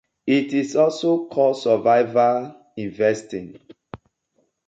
It is also called survivor investing.